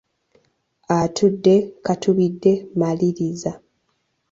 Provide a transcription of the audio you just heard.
Atudde katubidde, maliriza.